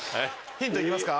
ヒント行きますか。